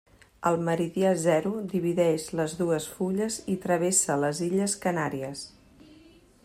El meridià zero divideix les dues fulles i travessa les illes Canàries.